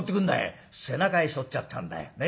「背中へしょっちゃったんだよ。ね？